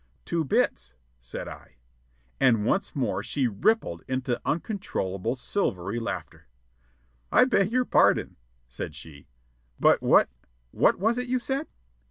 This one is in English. "Two bits," said I. And once more she rippled into uncontrollable silvery laughter. "I beg your pardon," said she; "but what ... what was it you said?"